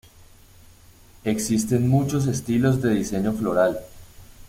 Existen muchos estilos de diseño floral.